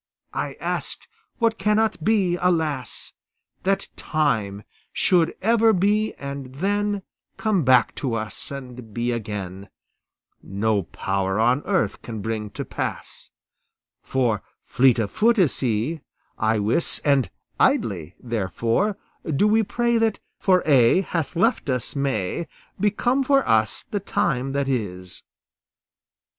I ask what cannot be, alas! That time should ever be, and then Come back to us, and be again, No power on earth can bring to pass; For fleet of foot is he, I wis, And idly, therefore, do we pray That what for aye hath left us may Become for us the time that is.